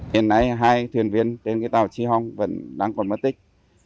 hiện nay hai thuyền viên trên tàu chi hong vẫn đang còn mất tích